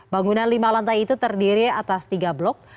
bangunan lima lantai itu terdiri atas tiga blok